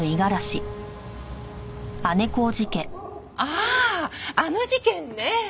あああの事件ね。